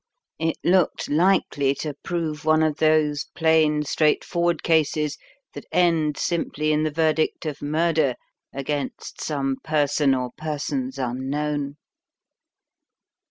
It looked likely to prove one of those plain, straightforward cases that end simply in the verdict of murder against some person or per sons unknown.